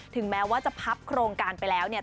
ถึงแม้ว่าจะพับโครงการไปแล้วเนี่ย